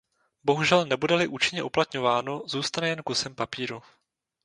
Bohužel nebude-li účinně uplatňováno, zůstane jen kusem papíru.